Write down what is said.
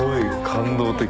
感動的。